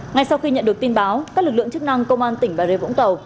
ngay sau khi nhận được tin báo các lực lượng chức năng công an tỉnh bà rê vũng tàu